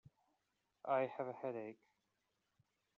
I have a headache.